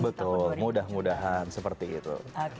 betul mudah mudahan seperti itu